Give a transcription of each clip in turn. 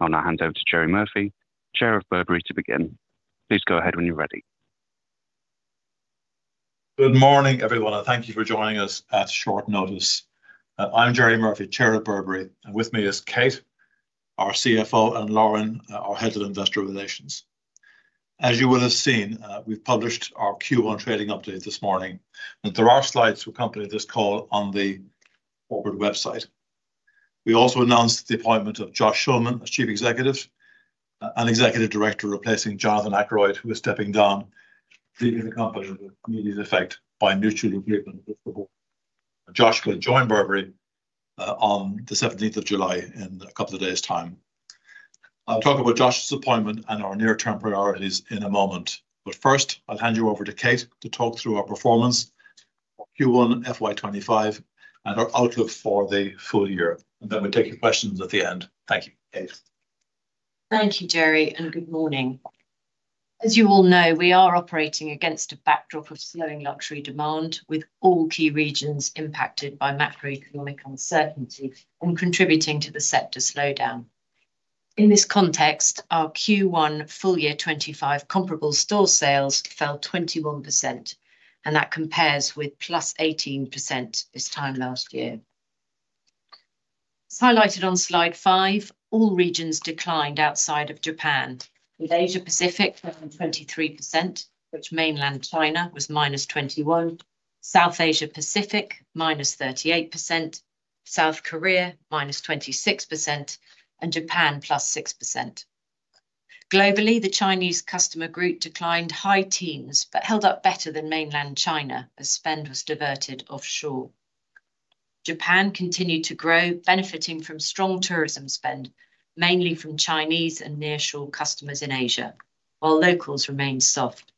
I'll now hand over to Gerry Murphy, Chair of Burberry, to begin. Please go ahead when you're ready. Good morning, everyone, and thank you for joining us at short notice. I'm Gerry Murphy, Chair of Burberry, and with me is Kate, our CFO, and Lauren, our Head of Investor Relations. As you will have seen, we've published our Q1 trading update this morning, and there are slides to accompany this call on the corporate website. We also announced the appointment of Josh Schulman as Chief Executive and Executive Director, replacing Jonathan Akeroyd, who is stepping down, leaving the company with immediate effect by mutual agreement with the board. Josh will join Burberry on the 17th of July, in a couple of days' time. I'll talk about Josh's appointment and our near-term priorities in a moment, but first, I'll hand you over to Kate to talk through our performance for Q1 FY25 and our outlook for the full year, and then we'll take your questions at the end. Thank you. Kate? Thank you, Gerry, and good morning. As you all know, we are operating against a backdrop of slowing luxury demand, with all key regions impacted by macroeconomic uncertainty and contributing to the sector slowdown. In this context, our Q1 full year 2025 comparable store sales fell 21%, and that compares with +18% this time last year. As highlighted on slide 5, all regions declined outside of Japan, with Asia Pacific down 23%, with Mainland China -21%, South Asia Pacific -38%, South Korea -26%, and Japan +6%. Globally, the Chinese customer group declined high teens but held up better than Mainland China as spend was diverted offshore. Japan continued to grow, benefiting from strong tourism spend, mainly from Chinese and nearshore customers in Asia, while locals remained soft.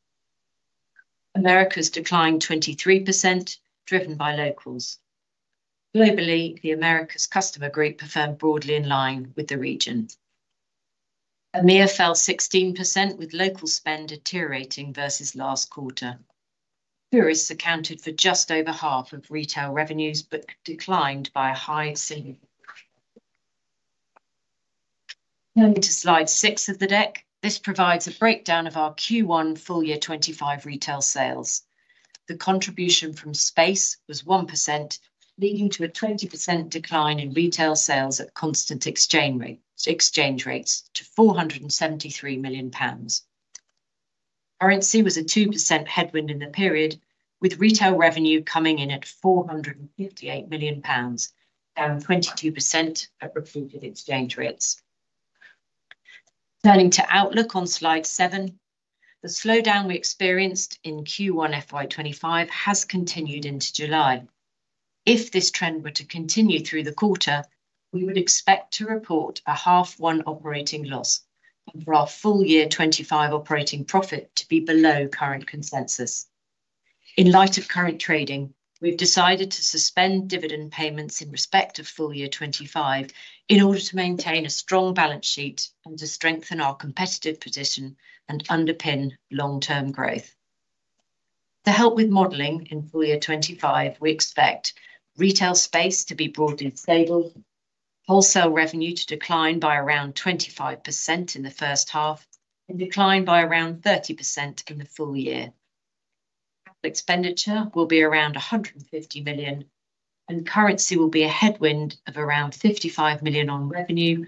Americas declined 23%, driven by locals. Globally, the Americas customer group performed broadly in line with the region. EMEIA fell 16%, with local spend deteriorating versus last quarter. Tourists accounted for just over half of retail revenues but declined by a high single. Turning to slide 6 of the deck, this provides a breakdown of our Q1 FY 2025 retail sales. The contribution from space was 1%, leading to a 20% decline in retail sales at constant exchange rate, exchange rates to 473 million pounds. RNC was a 2% headwind in the period, with retail revenue coming in at 458 million pounds, down 22% at reported exchange rates. Turning to outlook on slide 7, the slowdown we experienced in Q1 FY 2025 has continued into July. If this trend were to continue through the quarter, we would expect to report an H1 operating loss and for our full year 2025 operating profit to be below current consensus. In light of current trading, we've decided to suspend dividend payments in respect of full year 2025, in order to maintain a strong balance sheet and to strengthen our competitive position and underpin long-term growth. To help with modeling in full year 2025, we expect retail space to be broadly stable, wholesale revenue to decline by around 25% in the first half, and decline by around 30% in the full year. Capital expenditure will be around 150 million, and currency will be a headwind of around 55 million on revenue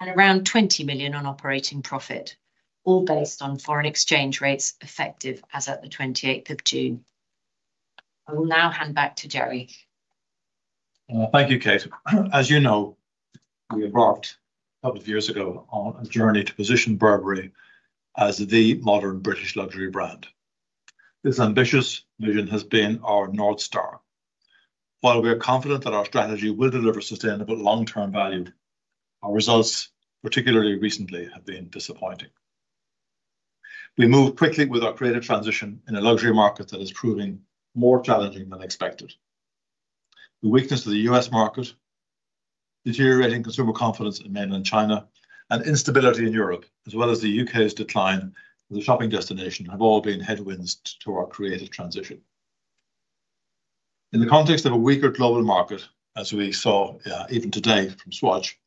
and around 20 million on operating profit, all based on foreign exchange rates effective as at the 28th of June. I will now hand back to Gerry. Thank you, Kate. As you know, we embarked a couple of years ago on a journey to position Burberry as the modern British luxury brand. This ambitious vision has been our North Star. While we are confident that our strategy will deliver sustainable long-term value, our results, particularly recently, have been disappointing. We moved quickly with our creative transition in a luxury market that is proving more challenging than expected. The weakness of the U.S. market, deteriorating consumer confidence in Mainland China, and instability in Europe, as well as the U.K.'s decline as a shopping destination, have all been headwinds to our creative transition. In the context of a weaker global market, as we saw, even today from Swatch,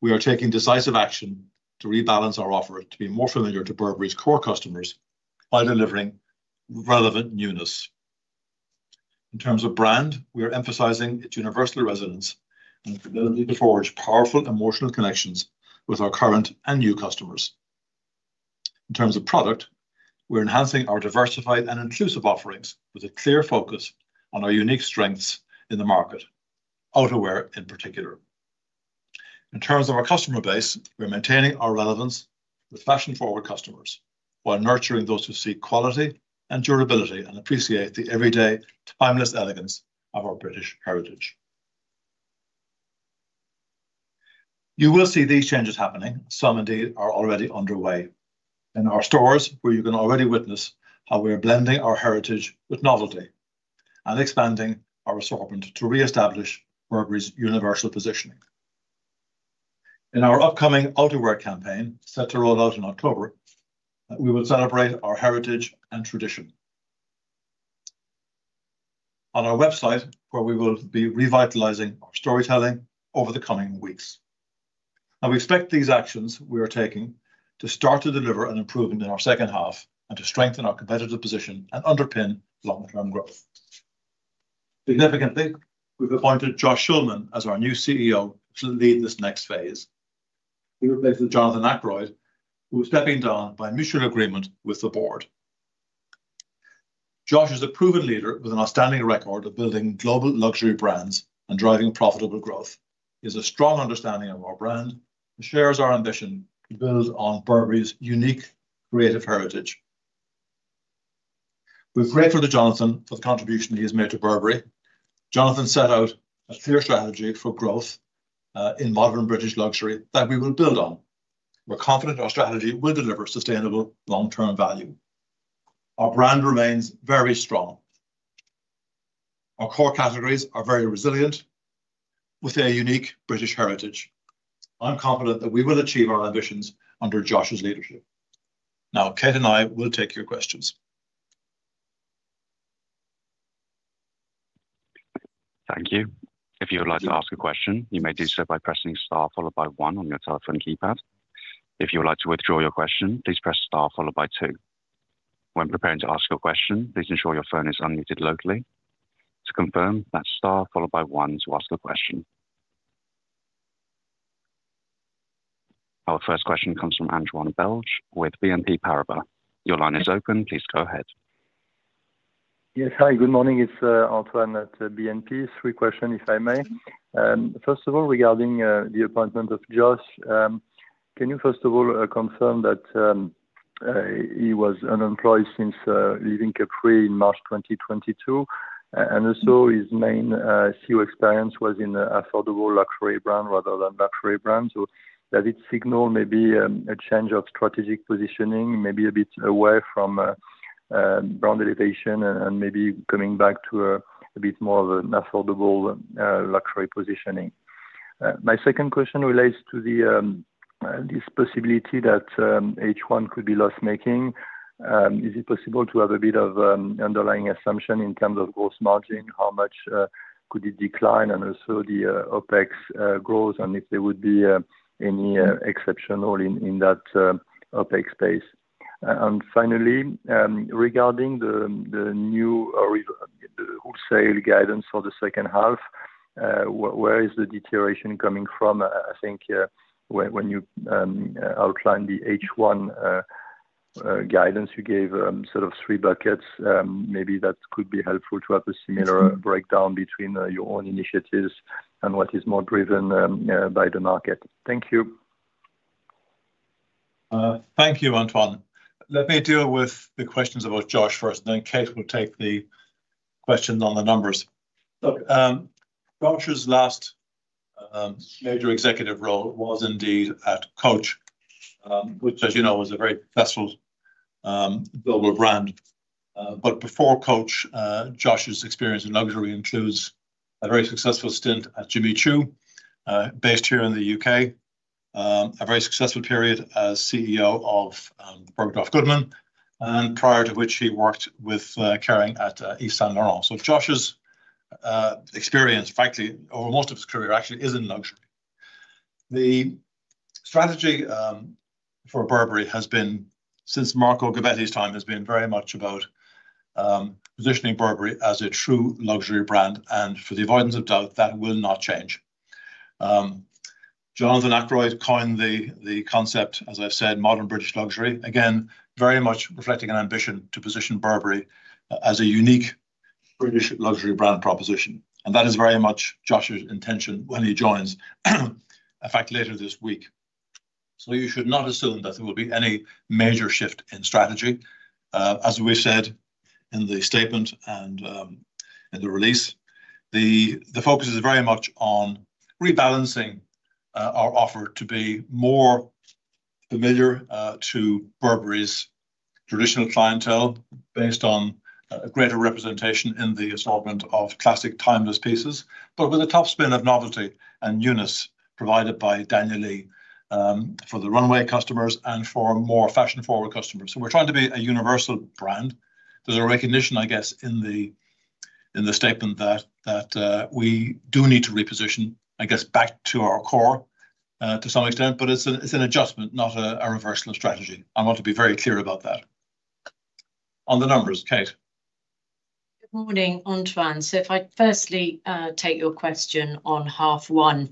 we are taking decisive action to rebalance our offer to be more familiar to Burberry's core customers by delivering relevant newness. In terms of brand, we are emphasizing its universal resonance and ability to forge powerful emotional connections with our current and new customers. In terms of product, we're enhancing our diversified and inclusive offerings with a clear focus on our unique strengths in the market, outerwear in particular. In terms of our customer base, we're maintaining our relevance with fashion-forward customers, while nurturing those who seek quality and durability and appreciate the everyday timeless elegance of our British heritage. You will see these changes happening. Some, indeed, are already underway. In our stores, where you can already witness how we are blending our heritage with novelty and expanding our assortment to reestablish Burberry's universal positioning. In our upcoming outerwear campaign, set to roll out in October, we will celebrate our heritage and tradition. On our website, where we will be revitalizing our storytelling over the coming weeks. Now, we expect these actions we are taking to start to deliver an improvement in our second half and to strengthen our competitive position and underpin long-term growth. Significantly, we've appointed Josh Schulman as our new CEO to lead this next phase. He replaces Jonathan Akeroyd, who is stepping down by mutual agreement with the board. Josh is a proven leader with an outstanding record of building global luxury brands and driving profitable growth. He has a strong understanding of our brand and shares our ambition to build on Burberry's unique creative heritage. We're grateful to Jonathan for the contribution he has made to Burberry. Jonathan set out a clear strategy for growth, in modern British luxury that we will build on. We're confident our strategy will deliver sustainable long-term value. Our brand remains very strong. Our core categories are very resilient, with a unique British heritage. I'm confident that we will achieve our ambitions under Josh's leadership. Now, Kate and I will take your questions. Thank you. If you would like to ask a question, you may do so by pressing Star followed by one on your telephone keypad. If you would like to withdraw your question, please press Star followed by two. When preparing to ask your question, please ensure your phone is unmuted locally. To confirm, that's Star followed by one to ask the question. Our first question comes from Antoine Belge with BNP Paribas. Your line is open. Please go ahead. Yes, hi, good morning. It's Antoine at BNP. Three questions, if I may. First of all, regarding the appointment of Josh, can you first of all confirm that he was unemployed since leaving Capri in March 2022? And also, his main CEO experience was in affordable luxury brand rather than luxury brand, so does it signal maybe a change of strategic positioning, maybe a bit away from brand elevation and maybe coming back to a bit more of an affordable luxury positioning? My second question relates to this possibility that H1 could be loss-making. Is it possible to have a bit of underlying assumption in terms of gross margin? How much could it decline? And also, the OpEx growth, and if there would be any exceptional in that OpEx space. And finally, regarding the new or revised wholesale guidance for the second half, where is the deterioration coming from? I think, when you outlined the H1 guidance, you gave sort of three buckets. Maybe that could be helpful to have a similar- Mm-hmm... breakdown between your own initiatives and what is more driven by the market. Thank you. Thank you, Antoine. Let me deal with the questions about Josh first, and then Kate will take the questions on the numbers. Look, Josh's last major executive role was indeed at Coach, which, as you know, is a very successful global brand. But before Coach, Josh's experience in luxury includes a very successful stint at Jimmy Choo, based here in the UK. A very successful period as CEO of Bergdorf Goodman, and prior to which, he worked with Kering at Yves Saint Laurent. So Josh's experience, frankly, or most of his career, actually, is in luxury. The strategy for Burberry has been, since Marco Gobbetti's time, very much about positioning Burberry as a true luxury brand, and for the avoidance of doubt, that will not change. Jonathan Akeroyd coined the concept, as I've said, modern British luxury. Again, very much reflecting an ambition to position Burberry as a unique British luxury brand proposition, and that is very much Josh's intention when he joins, in fact, later this week. So you should not assume that there will be any major shift in strategy. As we've said in the statement and in the release, the focus is very much on rebalancing our offer to be more familiar to Burberry's traditional clientele, based on a greater representation in the assortment of classic, timeless pieces, but with a top spin of novelty and newness provided by Daniel Lee for the runway customers and for more fashion-forward customers. So we're trying to be a universal brand. There's a recognition, I guess, in the statement that we do need to reposition, I guess, back to our core, to some extent, but it's an adjustment, not a reversal of strategy. I want to be very clear about that. On the numbers, Kate? Good morning, Antoine. So if I firstly take your question on half one,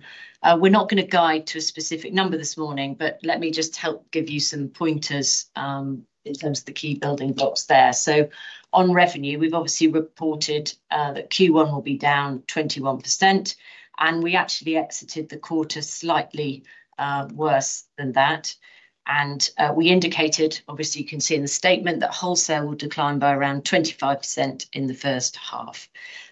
we're not gonna guide to a specific number this morning, but let me just help give you some pointers in terms of the key building blocks there. So on revenue, we've obviously reported that Q1 will be down 21%, and we actually exited the quarter slightly worse than that. And we indicated, obviously, you can see in the statement, that wholesale will decline by around 25% in the first half.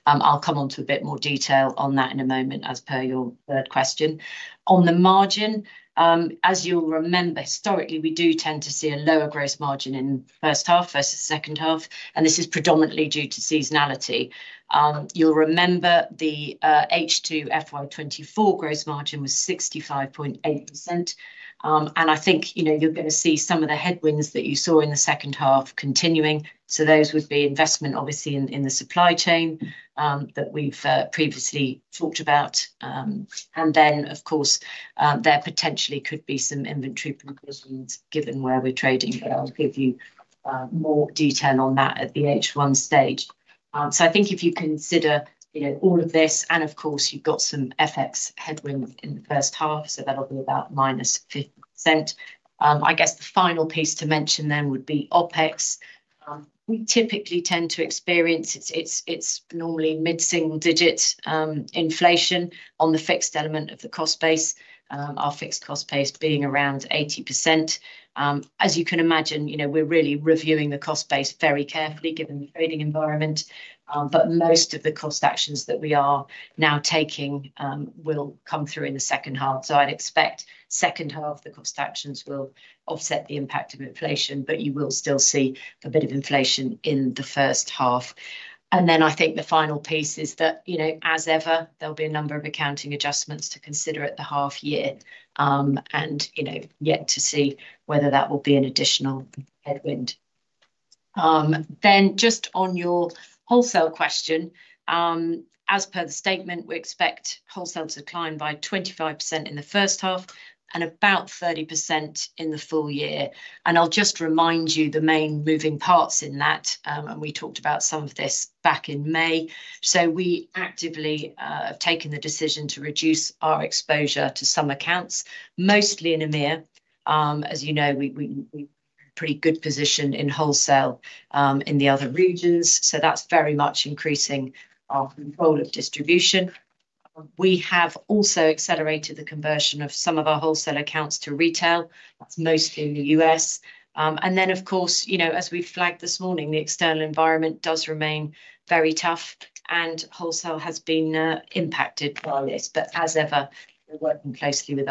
I'll come on to a bit more detail on that in a moment, as per your third question. On the margin, as you'll remember, historically, we do tend to see a lower gross margin in first half versus second half, and this is predominantly due to seasonality. You'll remember the H2 FY 2024 gross margin was 65.8%. And I think, you know, you're gonna see some of the headwinds that you saw in the second half continuing, so those would be investment, obviously, in the supply chain that we've previously talked about. And then, of course, there potentially could be some inventory provisions given where we're trading- Mm-hmm... but I'll give you more detail on that at the H1 stage. So I think if you consider, you know, all of this, and of course, you've got some FX headwind in the first half, so that'll be about -5%. I guess the final piece to mention then would be OpEx. We typically tend to experience; it's normally mid-single digit inflation on the fixed element of the cost base, our fixed cost base being around 80%. As you can imagine, you know, we're really reviewing the cost base very carefully, given the trading environment. But most of the cost actions that we are now taking will come through in the second half. So I'd expect second half, the cost actions will offset the impact of inflation, but you will still see a bit of inflation in the first half. And then I think the final piece is that, you know, as ever, there'll be a number of accounting adjustments to consider at the half year. And, you know, yet to see whether that will be an additional headwind. Then just on your wholesale question, as per the statement, we expect wholesale to decline by 25% in the first half and about 30% in the full year. And I'll just remind you, the main moving parts in that, and we talked about some of this back in May. So we actively have taken the decision to reduce our exposure to some accounts, mostly in EMEIA. As you know, we pretty good position in wholesale in the other regions, so that's very much increasing our control of distribution. We have also accelerated the conversion of some of our wholesale accounts to retail. That's mostly in the U.S. And then, of course, you know, as we've flagged this morning, the external environment does remain very tough, and wholesale has been impacted by this. But as ever, we're working closely with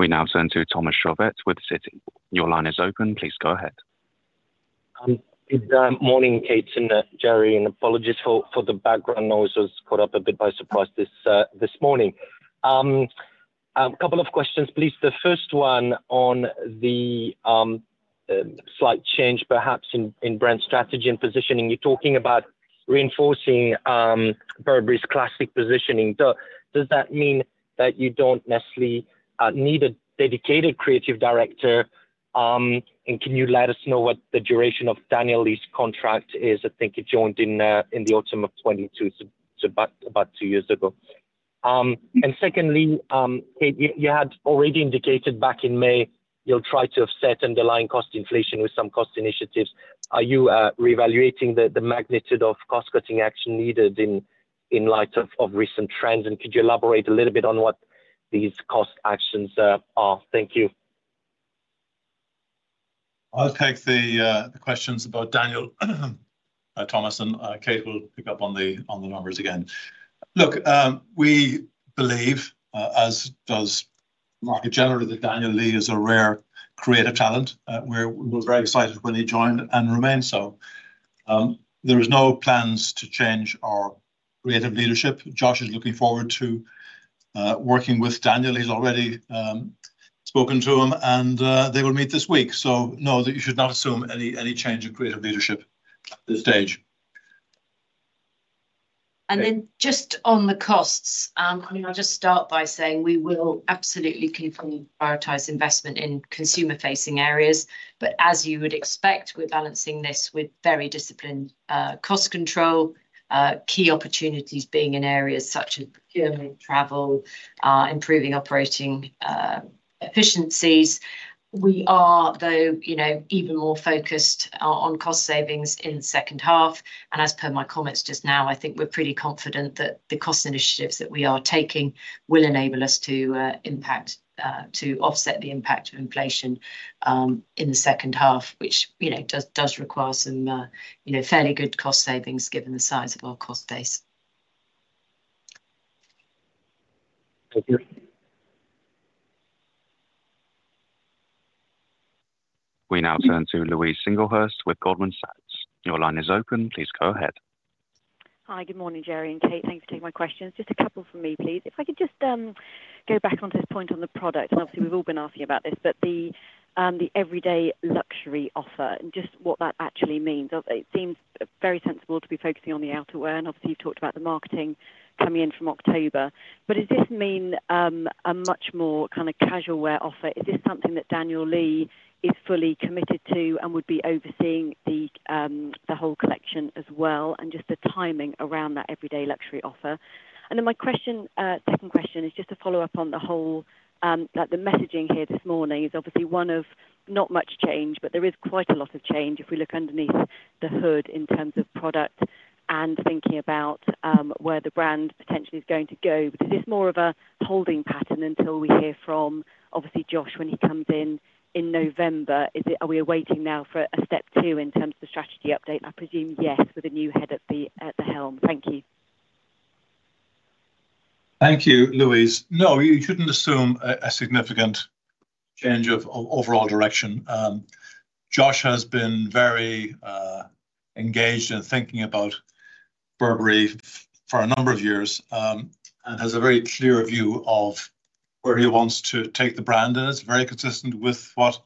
our partners to reduce any risk of stocking. We now turn to Thomas Chauvet with Citi. Your line is open. Please go ahead. Good morning, Kate and Gerry, and apologies for the background noise. I was caught up a bit by surprise this morning. A couple of questions, please. The first one on the slight change, perhaps in brand strategy and positioning. You're talking about reinforcing Burberry's classic positioning. So does that mean that you don't necessarily need a dedicated creative director? And can you let us know what the duration of Daniel Lee's contract is? I think he joined in the autumn of 2022, so about two years ago. And secondly, Kate, you had already indicated back in May you'll try to offset underlying cost inflation with some cost initiatives. Are you reevaluating the magnitude of cost-cutting action needed in light of recent trends? Could you elaborate a little bit on what these cost actions are? Thank you. I'll take the the questions about Daniel, Thomas, and Kate will pick up on the on the numbers again. Look, we believe, as does the market generally, that Daniel Lee is a rare creative talent. We were very excited when he joined and remain so. There is no plans to change our creative leadership. Josh is looking forward to working with Daniel. He's already spoken to him, and they will meet this week. So no, you should not assume any change in creative leadership at this stage. Just on the costs, I mean, I'll just start by saying we will absolutely continue to prioritize investment in consumer-facing areas. But as you would expect, we're balancing this with very disciplined cost control, key opportunities being in areas such as procurement, travel, improving operating efficiencies. We are, though, you know, even more focused on cost savings in the second half. As per my comments just now, I think we're pretty confident that the cost initiatives that we are taking will enable us to offset the impact of inflation in the second half, which, you know, does require some you know, fairly good cost savings given the size of our cost base. Thank you. We now turn to Louise Singlehurst with Goldman Sachs. Your line is open. Please go ahead. Hi, good morning, Gerry and Kate. Thanks for taking my questions. Just a couple from me, please. If I could just go back onto this point on the product, and obviously, we've all been asking about this, but the everyday luxury offer, and just what that actually means. It seems very sensible to be focusing on the outerwear, and obviously, you've talked about the marketing coming in from October. But does this mean a much more kind of casual wear offer? Is this something that Daniel Lee is fully committed to and would be overseeing the whole collection as well, and just the timing around that everyday luxury offer? And then my question, second question is just to follow up on the whole, like, the messaging here this morning is obviously one of not much change, but there is quite a lot of change if we look underneath the hood in terms of product and thinking about, where the brand potentially is going to go. But is this more of a holding pattern until we hear from, obviously, Josh, when he comes in in November? Is it, are we waiting now for a step two in terms of the strategy update? I presume yes, with a new head at the helm. Thank you. Thank you, Louise. No, you shouldn't assume a significant change of overall direction. Josh has been very engaged in thinking about Burberry for a number of years, and has a very clear view of where he wants to take the brand, and it's very consistent with what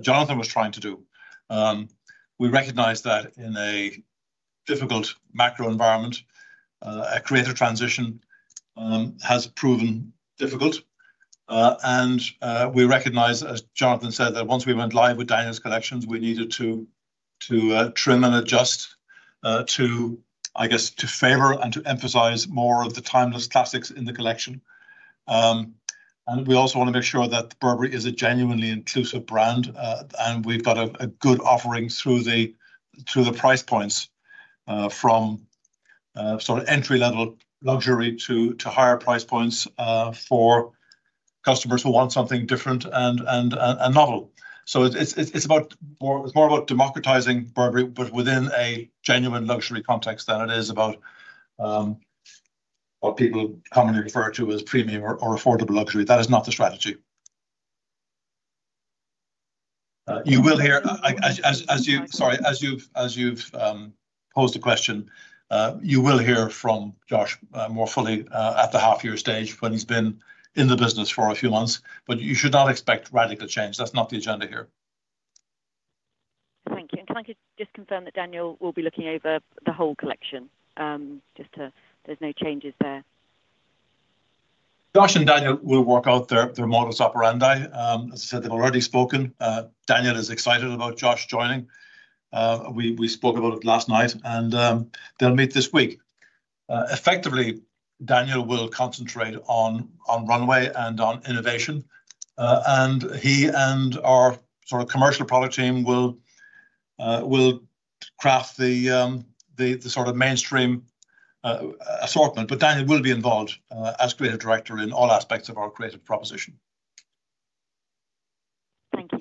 Jonathan was trying to do. We recognize that in a difficult macro environment. A creative transition has proven difficult. And we recognize, as Jonathan said, that once we went live with Daniel's collections, we needed to trim and adjust to, I guess, to favor and to emphasize more of the timeless classics in the collection. And we also wanna make sure that Burberry is a genuinely inclusive brand, and we've got a good offering through the price points, from sort of entry-level luxury to higher price points, for customers who want something different and novel. So it's about more... It's more about democratizing Burberry, but within a genuine luxury context, than it is about what people commonly refer to as premium or affordable luxury. That is not the strategy. You will hear, Sorry, as you've posed the question, you will hear from Josh more fully at the half-year stage, when he's been in the business for a few months, but you should not expect radical change. That's not the agenda here. Thank you. Can I just confirm that Daniel will be looking over the whole collection, just to... There's no changes there? Josh and Daniel will work out their modus operandi. As I said, they've already spoken. Daniel is excited about Josh joining. We spoke about it last night, and they'll meet this week. Effectively, Daniel will concentrate on runway and on innovation, and he and our sort of commercial product team will craft the sort of mainstream assortment. But Daniel will be involved as creative director in all aspects of our creative proposition. Thank you.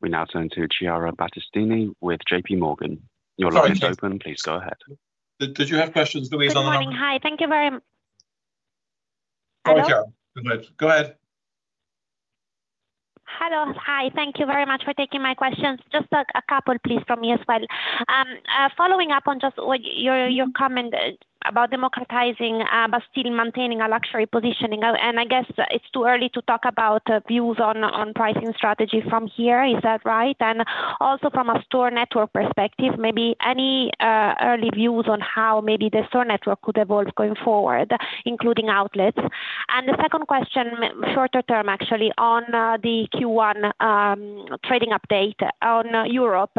We now turn to Chiara Battistini with JP Morgan. Sorry, Chiara. Your line is open. Please go ahead. Did you have questions, Louise, on the- Good morning. Hi, thank you very... Hello? Sorry, Chiara. Go ahead. Hello. Hi, thank you very much for taking my questions. Just, a couple, please, from me as well. Following up on just what your, your comment about democratizing, but still maintaining a luxury positioning, and I guess it's too early to talk about, views on, on pricing strategy from here, is that right? And also from a store network perspective, maybe any, early views on how maybe the store network could evolve going forward, including outlets? And the second question, shorter term, actually, on, the Q1 trading update on Europe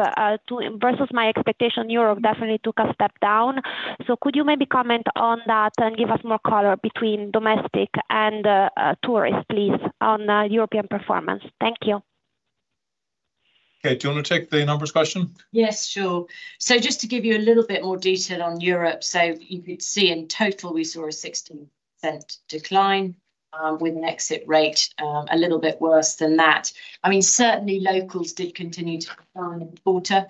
versus my expectation, Europe definitely took a step down. So could you maybe comment on that and give us more color between domestic and, tourists, please, on, European performance? Thank you. Okay. Do you want to take the numbers question? Yes, sure. So just to give you a little bit more detail on Europe, so you could see in total we saw a 16% decline, with an exit rate a little bit worse than that. I mean, certainly, locals did continue to decline in the quarter,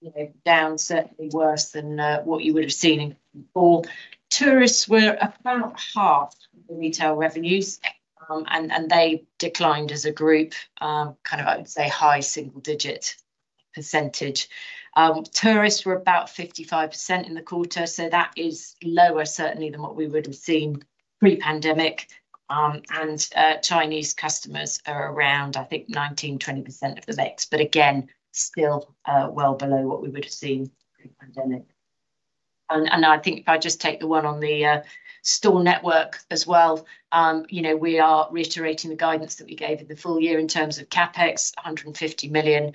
you know, down certainly worse than what you would have seen before. Tourists were about half the retail revenues, and they declined as a group, kind of, I would say, high single-digit percentage. Tourists were about 55% in the quarter, so that is lower, certainly, than what we would have seen pre-pandemic. And, Chinese customers are around, I think, 19%-20% of the mix, but again, still, well below what we would have seen pre-pandemic. I think if I just take the one on the store network as well, you know, we are reiterating the guidance that we gave for the full year in terms of CapEx, 150 million.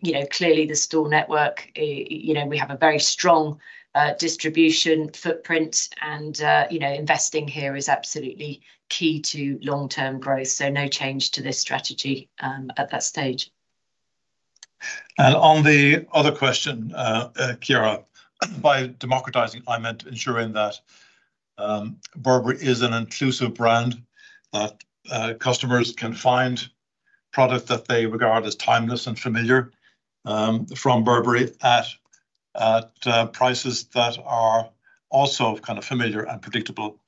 You know, clearly the store network, you know, we have a very strong distribution footprint, and you know, investing here is absolutely key to long-term growth, so no change to this strategy, at that stage. And on the other question, Chiara, by democratizing, I meant ensuring that Burberry is an inclusive brand, that customers can find product that they regard as timeless and familiar from Burberry, at prices that are also kind of familiar and predictable.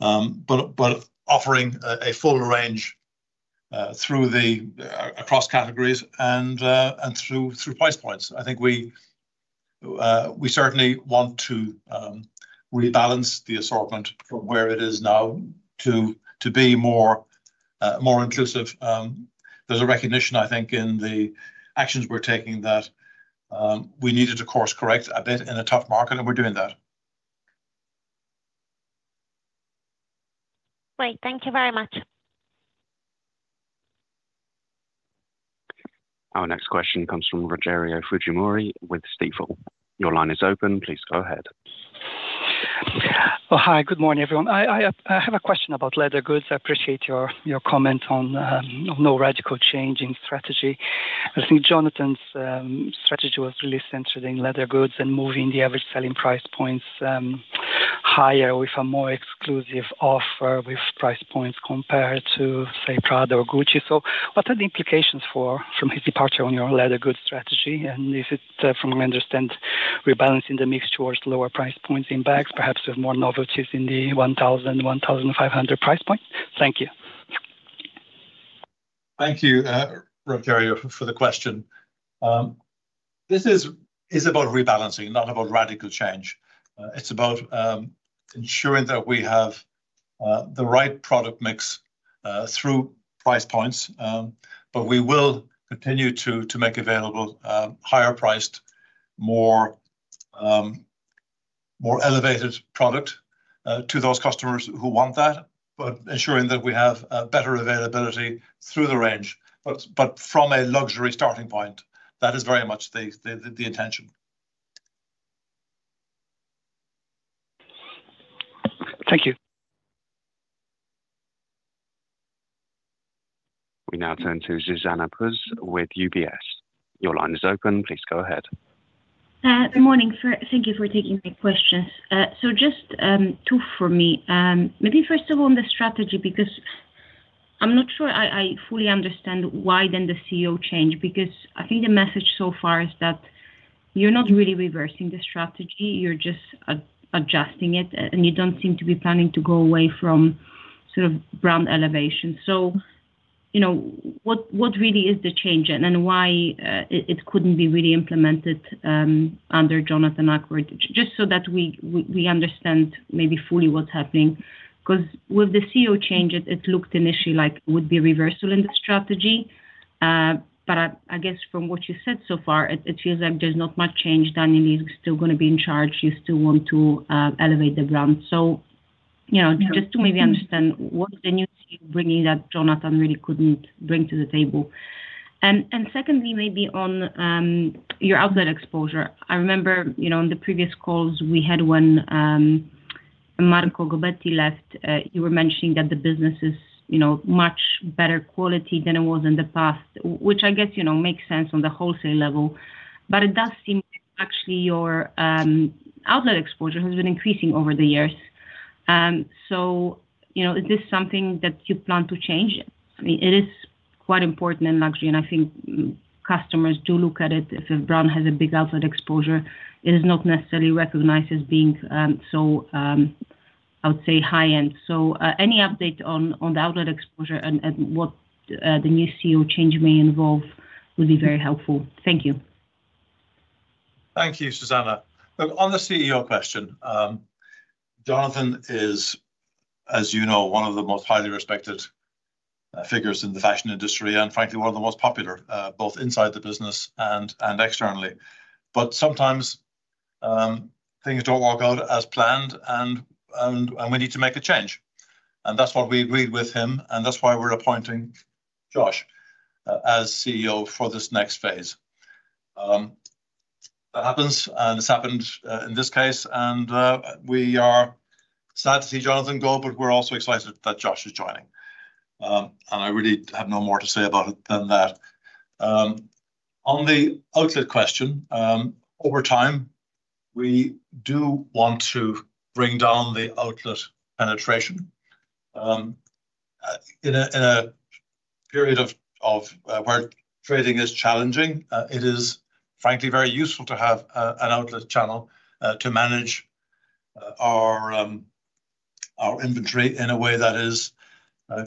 But offering a full range across categories and through price points. I think we certainly want to rebalance the assortment from where it is now to be more inclusive. There's a recognition, I think, in the actions we're taking that we needed to course-correct a bit in a tough market, and we're doing that. Great. Thank you very much. Our next question comes from Rogerio Fujimori with Stifel. Your line is open, please go ahead. Oh, hi, good morning, everyone. I have a question about leather goods. I appreciate your comment on no radical change in strategy. I think Jonathan's strategy was really centered in leather goods and moving the average selling price points higher with a more exclusive offer, with price points compared to, say, Prada or Gucci. So what are the implications from his departure on your leather goods strategy, and if it's from what I understand, rebalancing the mix towards lower price points in bags, perhaps with more novelties in the 1,000-1,500 price point? Thank you. Thank you, Rogerio, for the question. This is about rebalancing, not about radical change. It's about ensuring that we have the right product mix through price points. But we will continue to make available higher priced, more elevated product to those customers who want that, but ensuring that we have better availability through the range. But from a luxury starting point, that is very much the intention. Thank you. We now turn to Zuzanna Pusz with UBS. Your line is open. Please go ahead. Good morning, sir. Thank you for taking the questions. So just two for me. Maybe first of all, on the strategy, because I'm not sure I fully understand why the CEO change, because I think the message so far is that you're not really reversing the strategy, you're just adjusting it, and you don't seem to be planning to go away from sort of brand elevation. So, you know, what really is the change and why it couldn't be really implemented under Jonathan Akeroyd? Just so that we understand maybe fully what's happening. 'Cause with the CEO change, it looked initially like it would be a reversal in the strategy. But I guess from what you said so far, it feels like there's not much change. Jonathan is still gonna be in charge. You still want to elevate the brand. So, you know, just to maybe understand, what is the new CEO bringing that Jonathan really couldn't bring to the table? And, and secondly, maybe on your outlet exposure. I remember, you know, in the previous calls we had when Marco Gobbetti left, you were mentioning that the business is, you know, much better quality than it was in the past, which I guess, you know, makes sense on the wholesale level. But it does seem like actually your outlet exposure has been increasing over the years. So, you know, is this something that you plan to change? I mean, it is quite important in luxury, and I think customers do look at it. If a brand has a big outlet exposure, it is not necessarily recognized as being so, I would say high-end. Any update on the outlet exposure and what the new CEO change may involve would be very helpful? Thank you. Thank you, Zuzanna. Look, on the CEO question, Jonathan is, as you know, one of the most highly respected figures in the fashion industry, and frankly, one of the most popular both inside the business and we need to make a change. And that's what we agreed with him, and that's why we're appointing Josh as CEO for this next phase. That happens, and it's happened in this case, and we are sad to see Jonathan go, but we're also excited that Josh is joining. And I really have no more to say about it than that. On the outlet question, over time, we do want to bring down the outlet penetration. In a period where trading is challenging, it is frankly very useful to have an outlet channel to manage our inventory in a way that is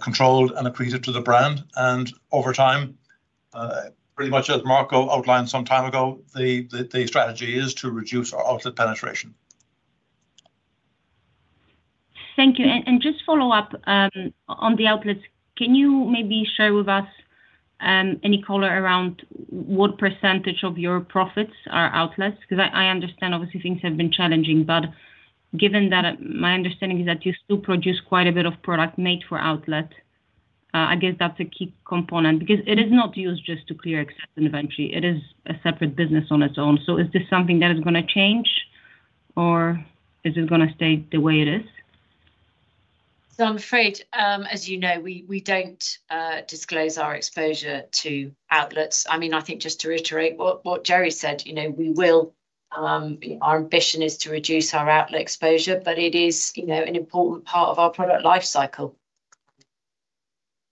controlled and accretive to the brand. Over time, pretty much as Marco outlined some time ago, the strategy is to reduce our outlet penetration. Thank you. And just follow up on the outlets. Can you maybe share with us any color around what percentage of your profits are outlets? 'Cause I understand obviously things have been challenging, but given that, my understanding is that you still produce quite a bit of product made for outlet. I guess that's a key component because it is not used just to clear excess inventory. It is a separate business on its own. So is this something that is gonna change, or is it gonna stay the way it is? So I'm afraid, as you know, we don't disclose our exposure to outlets. I mean, I think just to reiterate what Gerry said, you know, we will. Our ambition is to reduce our outlet exposure, but it is, you know, an important part of our product life cycle.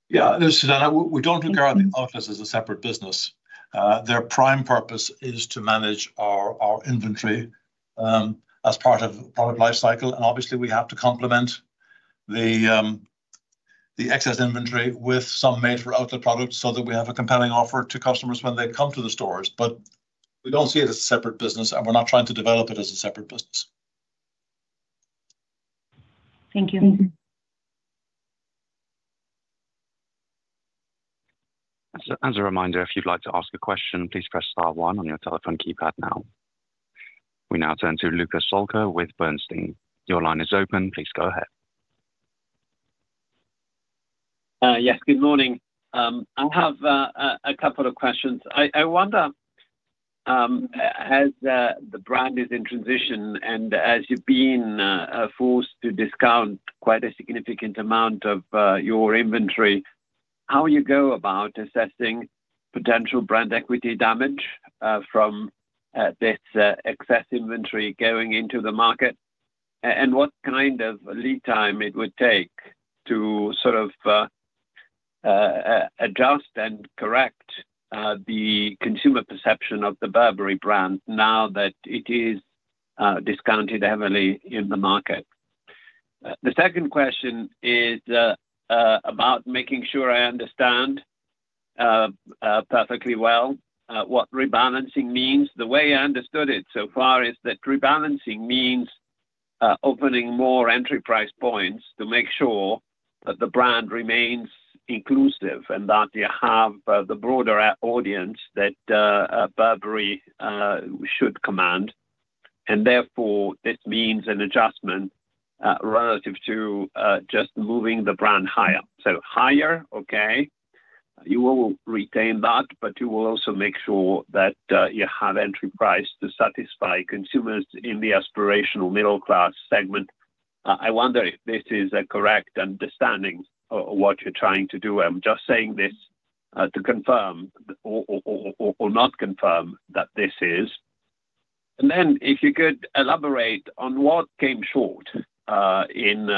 Yeah, Zuzanna, we don't look at outlets as a separate business. Their prime purpose is to manage our inventory as part of product life cycle, and obviously, we have to complement the excess inventory with some made-for-outlet products so that we have a compelling offer to customers when they come to the stores. But we don't see it as a separate business, and we're not trying to develop it as a separate business. Thank you. Mm-hmm. As a reminder, if you'd like to ask a question, please press star one on your telephone keypad now. We now turn to Luca Solca with Bernstein. Your line is open. Please go ahead. Yes, good morning. I have a couple of questions. I wonder, as the brand is in transition and as you've been forced to discount quite a significant amount of your inventory, how you go about assessing potential brand equity damage from this excess inventory going into the market? And what kind of lead time it would take to sort of adjust and correct the consumer perception of the Burberry brand now that it is discounted heavily in the market? The second question is about making sure I understand perfectly well what rebalancing means. The way I understood it so far is that rebalancing means opening more entry price points to make sure that the brand remains inclusive, and that you have the broader audience that Burberry should command. And therefore, this means an adjustment relative to just moving the brand higher. So higher, okay, you will retain that, but you will also make sure that you have entry price to satisfy consumers in the aspirational middle-class segment. I wonder if this is a correct understanding of what you're trying to do. I'm just saying this to confirm or not confirm that this is. And then if you could elaborate on what came short in...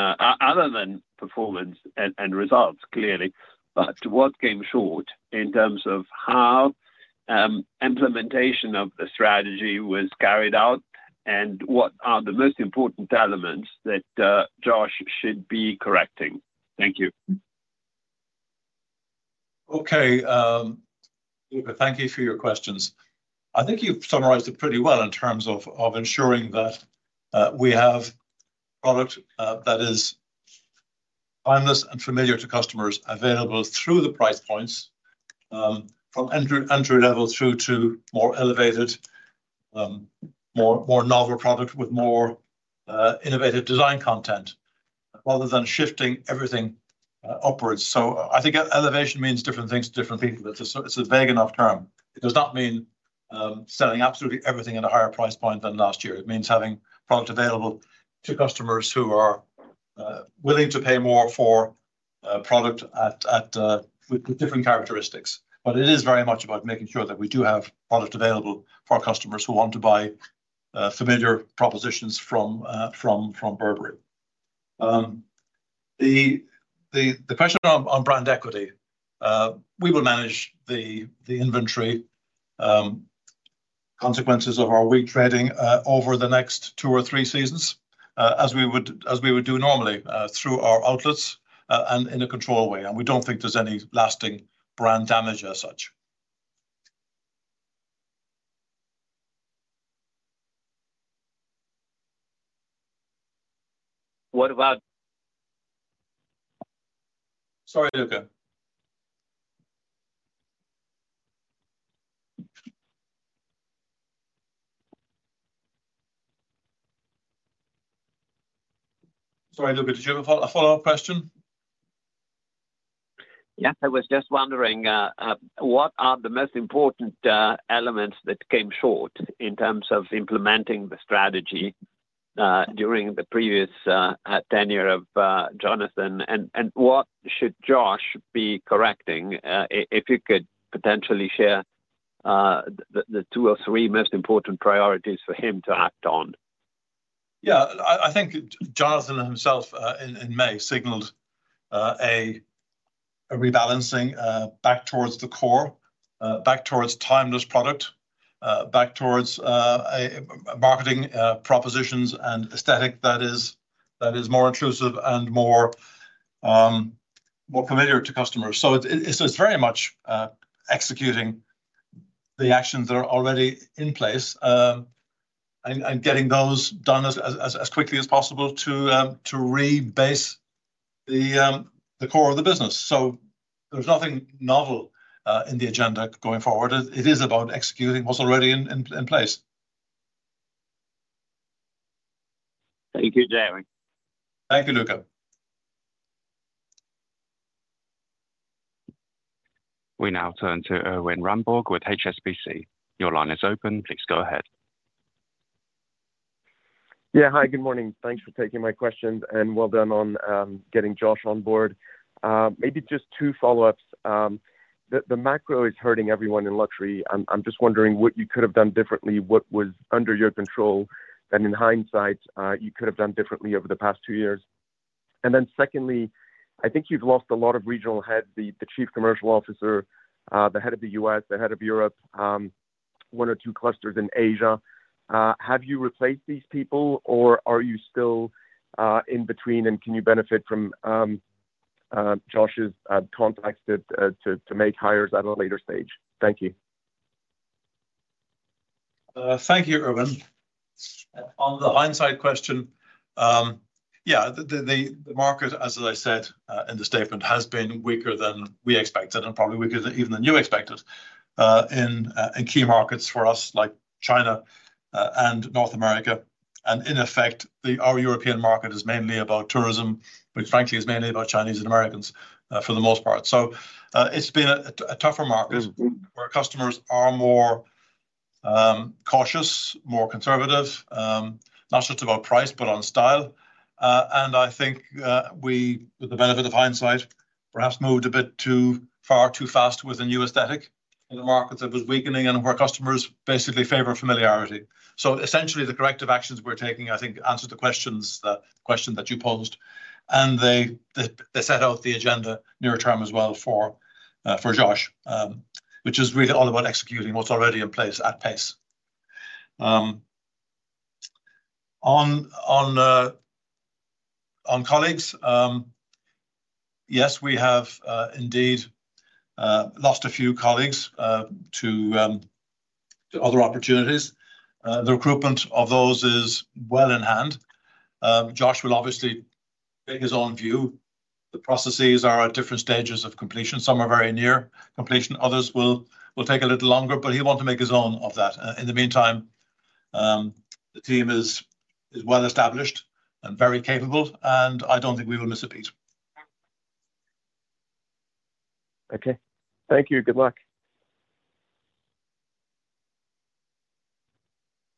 Other than performance and, and results, clearly, but what came short in terms of how, implementation of the strategy was carried out, and what are the most important elements that, Josh should be correcting? Thank you. Okay, Luca, thank you for your questions. I think you've summarized it pretty well in terms of, of ensuring that, we have product, that is timeless and familiar to customers, available through the price points, from entry level through to more elevated, more novel product with more, innovative design content, rather than shifting everything, upwards. So I think elevation means different things to different people. It's a it's a vague enough term. It does not mean, selling absolutely everything at a higher price point than last year. It means having product available to customers who are, willing to pay more for a product at, with different characteristics. But it is very much about making sure that we do have product available for our customers who want to buy familiar propositions from Burberry. The question on brand equity, we will manage the inventory consequences of our re-trading over the next two or three seasons, as we would do normally, through our outlets and in a controlled way, and we don't think there's any lasting brand damage as such. What about- Sorry, Luca? Sorry, Luca, did you have a follow-up question? Yeah, I was just wondering what are the most important elements that came short in terms of implementing the strategy during the previous tenure of Jonathan? And what should Josh be correcting? If you could potentially share the two or three most important priorities for him to act on. Yeah, I think Jonathan himself, in May, signaled a rebalancing back towards the core, back towards timeless product, back towards a marketing propositions and aesthetic that is more intrusive and more familiar to customers. So it's very much executing the actions that are already in place, and getting those done as quickly as possible to rebase the core of the business. So there's nothing novel in the agenda going forward. It is about executing what's already in place. Thank you, Gerry. Thank you, Luca. We now turn to Erwan Rambourg with HSBC. Your line is open, please go ahead. Yeah. Hi, good morning. Thanks for taking my questions, and well done on getting Josh on board. Maybe just two follow-ups. The macro is hurting everyone in luxury. I'm just wondering what you could have done differently, what was under your control that, in hindsight, you could have done differently over the past two years? And then secondly, I think you've lost a lot of regional heads, the Chief Commercial Officer, the head of the U.S., the head of Europe, one or two clusters in Asia. Have you replaced these people, or are you still in between, and can you benefit from Josh's contacts to make hires at a later stage? Thank you. Thank you, Erwan. On the hindsight question, yeah, the market, as I said, in the statement, has been weaker than we expected and probably weaker than even you expected, in key markets for us, like China, and North America. And in effect, our European market is mainly about tourism, which frankly is mainly about Chinese and Americans, for the most part. So, it's been a tougher market- Mm-hmm... where customers are more cautious, more conservative, not just about price, but on style. And I think we, with the benefit of hindsight, perhaps moved a bit too far, too fast with a new aesthetic in a market that was weakening and where customers basically favor familiarity. So essentially, the corrective actions we're taking, I think, answer the questions, the question that you posed, and they set out the agenda near-term as well for Josh, which is really all about executing what's already in place at pace. On colleagues, yes, we have indeed lost a few colleagues to other opportunities. The recruitment of those is well in hand. Josh will obviously take his own view. The processes are at different stages of completion. Some are very near completion, others will take a little longer, but he'll want to make his own of that. In the meantime, the team is well-established and very capable, and I don't think we will miss a beat. Okay. Thank you. Good luck.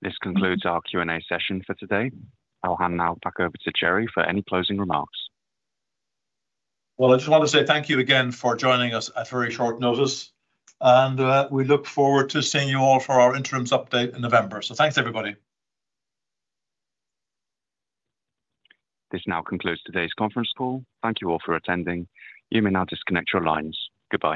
This concludes our Q&A session for today. I'll hand now back over to Gerry for any closing remarks. Well, I just want to say thank you again for joining us at very short notice, and we look forward to seeing you all for our interims update in November. So thanks, everybody. This now concludes today's conference call. Thank you all for attending. You may now disconnect your lines. Goodbye.